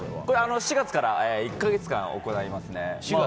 ４月から１か月間行います。